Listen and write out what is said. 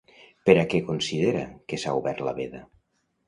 Per a què considera que s'ha obert la veda?